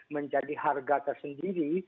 menjadi harga tersendiri